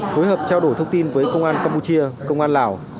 phối hợp trao đổi thông tin với công an campuchia công an lào